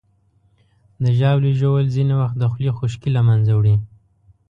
د ژاولې ژوول ځینې وخت د خولې خشکي له منځه وړي.